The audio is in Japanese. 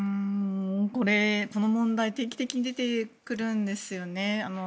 これ、この問題定期的に出てくるんですよね。